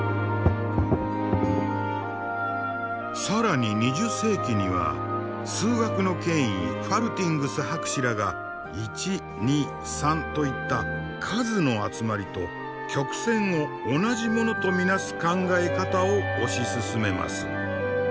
更に２０世紀には数学の権威ファルティングス博士らが１２３といった数の集まりと曲線を同じものと見なす考え方を推し進めます。